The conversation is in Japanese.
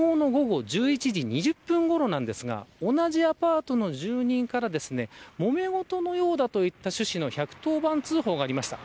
警察によると昨日の午後１１時２０分ごろなんですが同じアパートの住人からもめ事のようだといった趣旨の１１０番通報がありました。